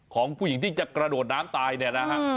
ของผู้หญิงที่จะกระโดดน้ำตายเนี่ยนะฮะ